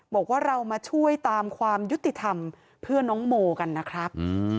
บอกว่าเรามาช่วยตามความยุติธรรมเพื่อน้องโมกันนะครับ